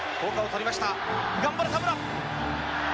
頑張れ田村！